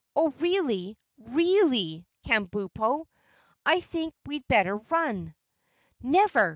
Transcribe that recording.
Oh, really, REALLY, Kabumpo, I think we'd better run." "Never!"